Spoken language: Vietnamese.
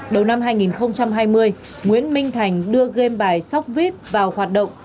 đầu năm hai nghìn hai mươi nguyễn minh thành đưa game bài sóc vít vào hoạt động